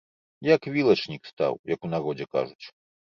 Як вілачнік стаў, як у народзе кажуць.